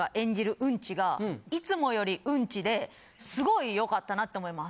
ウンチがいつもよりウンチですごいよかったなって思います。